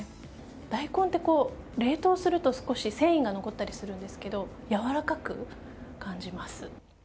大根って冷凍すると少し繊維が残ったりするんですけどやわらかく感じます。